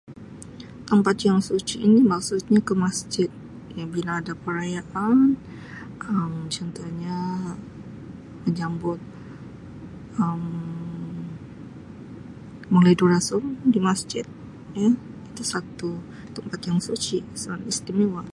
Tempat yang suci ini maksudnya ke masjid, bila ada perayaan contohnya menyambut Um Maulidur Rasul di masjid, itu satu tempat yang suci, tempat istimewa.